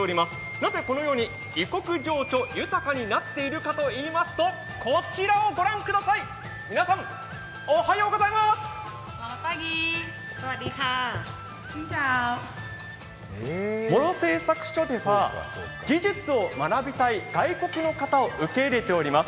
なぜこのように異国情緒豊かになっているかといいますと、こちらを御覧ください、皆さん、おはようございます。